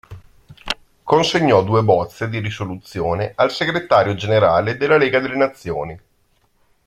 Consegnò due bozze di risoluzione al segretario generale della Lega delle Nazioni.